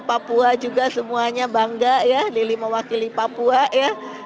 papua juga semuanya bangga ya lili mewakili papua ya